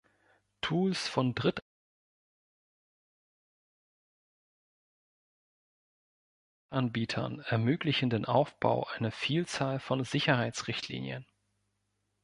Tools von Drittanbietern ermöglichen den Aufbau einer Vielzahl von Sicherheitsrichtlinien.